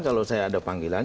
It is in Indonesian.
kalau saya ada panggilan